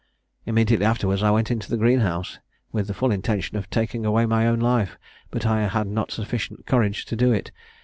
"Immediately afterwards I went into the green house, with the full intention of taking away my own life, but I had not sufficient courage to do it.